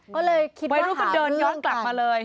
ก็เลยคิดว่าหาเรื่องกันไปรู้ก็เดินย้อนกลับมาเลย